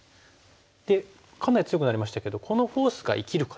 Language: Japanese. でかなり強くなりましたけどこのフォースが生きるかどうか。